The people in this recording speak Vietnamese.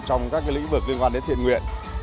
trong các lĩnh vực liên quan đến thiện nguyện